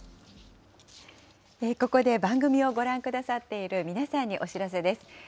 ここで番組をご覧くださっている皆さんにお知らせです。